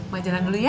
mak jalan dulu ya